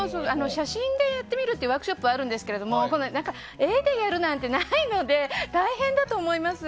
写真でやってみるっていうワークショップあるんですけど絵でやるなんてないので大変だと思います。